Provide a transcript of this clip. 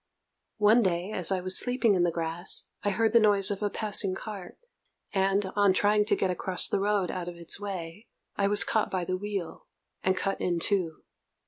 One day, as I was sleeping in the grass, I heard the noise of a passing cart, and, on trying to get across the road out of its way, I was caught by the wheel, and cut in two.